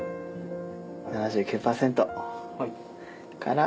７９％から。